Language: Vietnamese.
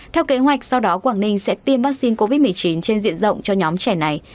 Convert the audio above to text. theo kế hoạch sau đó quảng ninh sẽ tiêm vaccine covid một mươi chín trên diện rộng cho nhóm trẻ này